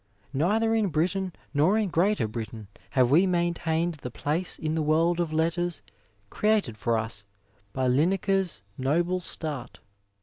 Neither in Britain nor in Greater Britain have we maintained the place in the world of letters created for us by Linacre's noble start.